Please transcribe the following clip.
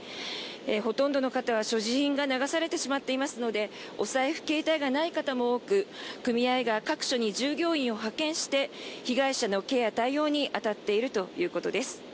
ほとんどの方は所持品が流されてしまっていますのでお財布、携帯がない方も多く組合が各所に従業員を派遣して被害者のケアや対応に追われているということです。